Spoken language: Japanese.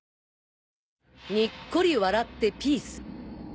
にっこり笑ってピース。